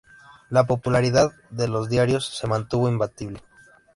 La popularidad de los diarios se mantuvo imbatible.